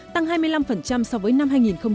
tăng hai mươi năm so với năm hai nghìn một mươi bảy